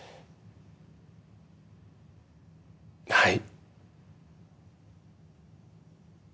はい。